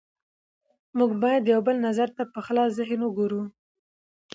موږ باید د یو بل نظر ته په خلاص ذهن وګورو